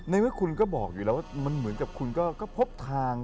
ในเมื่อคุณก็บอกอยู่แล้วว่ามันเหมือนกับคุณก็พบทาง